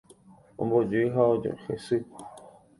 Ombojy ha ohesy.